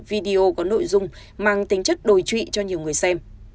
video có nội dung mang tính chất đổi trụy cho nhiều người xem